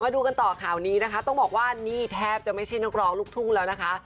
ดูกันต่อข่าวนี้นะคะต้องบอกว่านี่แทบจะไม่ใช่นักร้องลูกทุ่งแล้วนะคะ